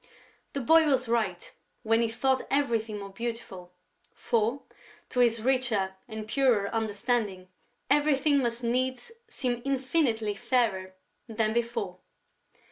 The boy was right, when he thought everything more beautiful, for, to his richer and purer understanding, everything must needs seem infinitely fairer than before.